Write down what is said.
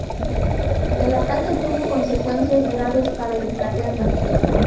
El ataque tuvo consecuencias graves para Inglaterra.